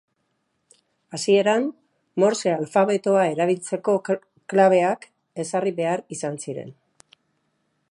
Hasieran, Morse alfabetoa erabiltzeko kableak ezarri behar izan ziren.